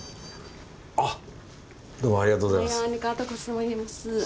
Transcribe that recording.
あっどうもありがとうございます。